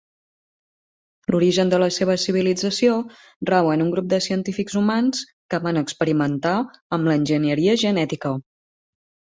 L'origen de la seva civilització rau en un grup de científics humans que van experimentar amb l'enginyeria genètica.